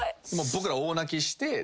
もう僕ら大泣きして。